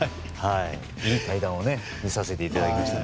いい対談を見させていただきましたね。